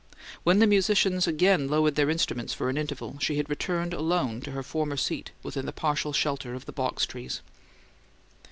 When the musicians again lowered their instruments for an interval she had returned, alone, to her former seat within the partial shelter of the box trees.